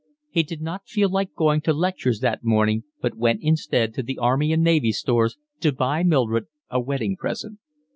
He did not feel like going to lectures that morning, but went instead to the Army and Navy Stores to buy Mildred a wedding present.